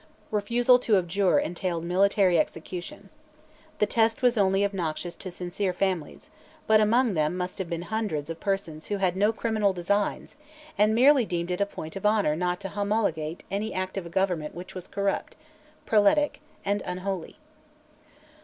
Refusal to abjure entailed military execution. The test was only obnoxious to sincere fanatics; but among them must have been hundreds of persons who had no criminal designs, and merely deemed it a point of honour not to "homologate" any act of a Government which was corrupt, prelatic, and unholy.